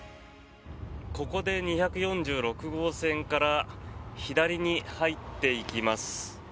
ここで２４６号線から左に入っていきます。